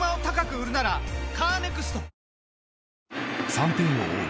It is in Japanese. ３点を追う